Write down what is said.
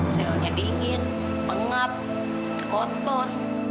selnya dingin pengap kotor